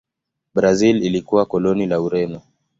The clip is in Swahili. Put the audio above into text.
Brazil ilikuwa koloni la Ureno.